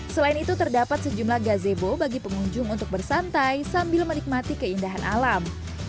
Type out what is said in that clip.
selain itu terdapat sejumlah gazebo bagi pengunjung untuk bersantai sambil menikmati keindahan alam